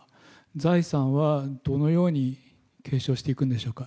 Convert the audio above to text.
財産はどのように継承していくんでしょうか。